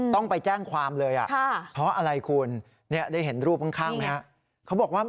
ต้องไปแจ้งความเลยเพราะอะไรคุณได้เห็นรูปข้างไหมครับ